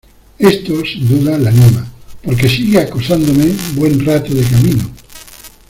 esto, sin duda , le anima , porque sigue acosándome buen rato de camino.